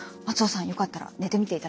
よかったら寝てみていただけますか。